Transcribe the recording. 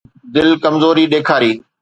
دل ڪمزوري ڏيکاري.